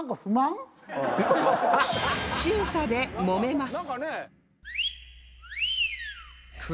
審査でもめます